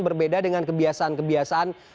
berbeda dengan kebiasaan kebiasaan